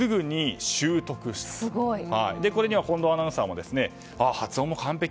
これには近藤アナウンサーも発音も完璧。